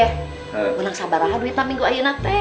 eh gue gak sabar lagi buat minggu ini